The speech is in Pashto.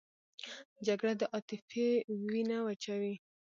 جګړه د عاطفې وینه وچوي